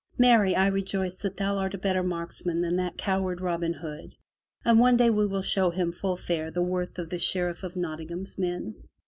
Marry, I rejoice that thou art a better marks man than that coward Robin Hood, and one day we will show him full fair the worth of the Sheriff of Nottingham's men!"